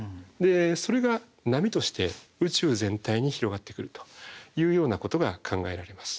それが波として宇宙全体に広がってくるというようなことが考えられます。